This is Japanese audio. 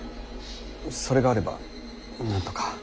それがあればなんとか。